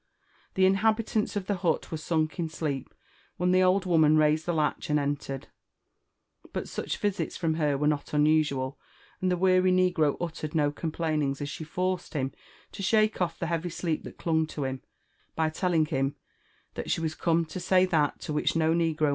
The inhabitants of the hut were sunk in sleep when the old woman raised the latch and entered ; but such visits from her were not unusual^ and the weary negro uttered no complainings as she forced him to shake olT the heavy sleep that clung to him, by telling him that she was come to say that to which no negro